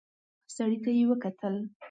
سړي ته يې وکتل.